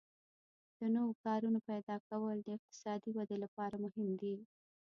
د نوو کارونو پیدا کول د اقتصادي ودې لپاره مهم دي.